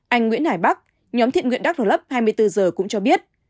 anh nguyễn hải bắc nhóm thiện nguyện đắk lắk hai mươi bốn h cũng cho biết